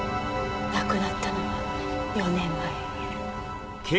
亡くなったのは４年前。